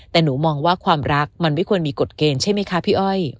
แต่หนูมองว่าความรักมันไม่ควรมีกฎเกณฑ์ใช่ไหมคะพี่อ้อย